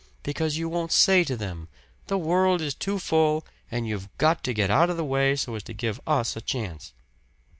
Because you won't say to them: 'The world is too full; and you've got to get out of the way, so as to give us a chance.'